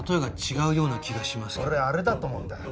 俺あれだと思うんだ。